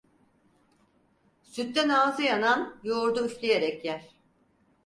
Sütten ağzı yanan, yoğurdu üfleyerek yer.